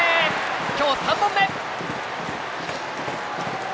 今日３本目！